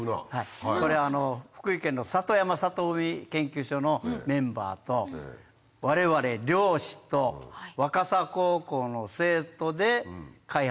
これ福井県の里山里海研究所のメンバーと我々漁師と若狭高校の生徒で開発しました。